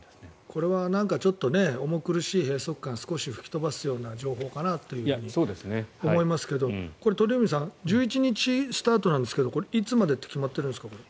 これは重苦しい閉塞感を少し吹き飛ばすような情報かなと思いますが鳥海さん１１日スタートなんですがいつまでって決まっているんですか。